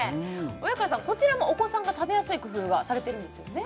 親川さんこちらもお子さんが食べやすい工夫がされてるんですよね？